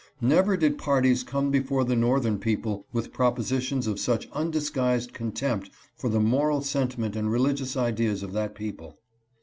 Never did parties come before the northern people with propositions of such undisguised contempt for the moral sentiment and religious ideas of that people.